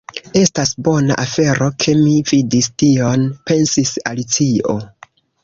"Estas bona afero ke mi vidis tion," pensis Alicio.